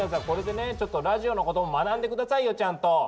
これでねちょっとラジオのことも学んで下さいよちゃんと！